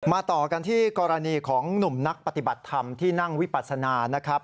ต่อกันที่กรณีของหนุ่มนักปฏิบัติธรรมที่นั่งวิปัสนานะครับ